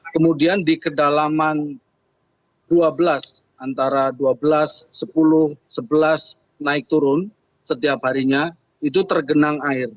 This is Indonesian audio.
kemudian di kedalaman dua belas antara dua belas sepuluh sebelas naik turun setiap harinya itu tergenang air